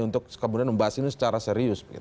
untuk kemudian membahas ini secara serius